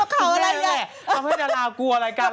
เค้าเพื่อนดาลากัวอะไรกัน